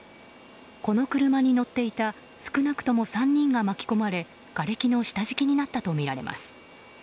この車に乗っていた少なくとも３人が巻き込まれがれきの下敷きになったとみられます。